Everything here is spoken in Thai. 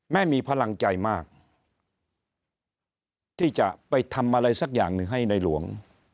มีพลังใจมากที่จะไปทำอะไรสักอย่างหนึ่งให้ในหลวง